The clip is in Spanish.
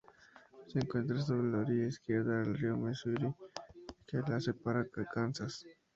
Se encuentra sobre la orilla izquierda del río Misuri, que la separa de Kansas.